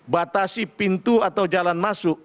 batasi pintu atau jalan masuk